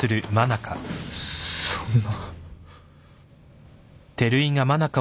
そんな。